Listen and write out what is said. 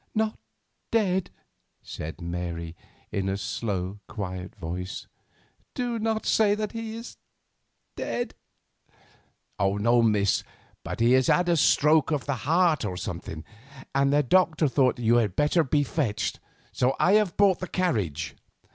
"Not dead?" said Mary, in a slow, quiet voice. "Do not say that he is dead!" "No, miss, but he has had a stroke of the heart or something, and the doctor thought you had better be fetched, so I have brought the carriage."